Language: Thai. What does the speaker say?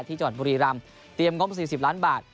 ที่จอดบุรีรำส์เตรียมงบ๔๐ล้านบาท